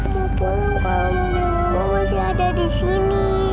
mau pulang kalau mobil mama masih ada di sini